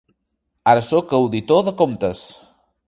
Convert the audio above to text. Ara sóc auditor de comptes.